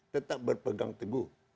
tetap berpegang teguh